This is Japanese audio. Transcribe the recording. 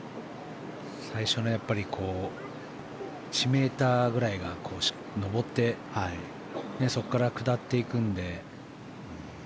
最初の１ｍぐらいが上ってそこから下っていくので。